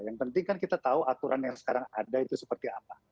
yang penting kan kita tahu aturan yang sekarang ada itu seperti apa